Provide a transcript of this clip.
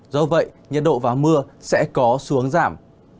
do vậy nhiệt độ và mưa sẽ có xuống giảm